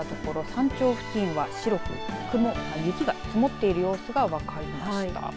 山頂付近は白く雪が積もっている様子が分かりました。